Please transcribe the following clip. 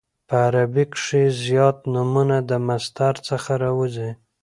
په عربي کښي زیات نومونه د مصدر څخه راوځي.